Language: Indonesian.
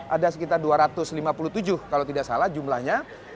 ada sekitar dua ratus lima puluh tujuh kalau tidak salah jumlahnya